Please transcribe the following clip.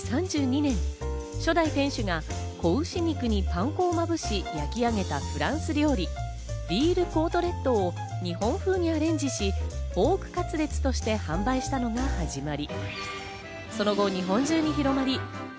創業から４年後の明治３２年、初代店主が仔牛肉にパン粉をまぶし焼き上げたフランス料理、ヴィールコートレットを日本風にアレンジし、ポークカツレツとして販売したのが始まり。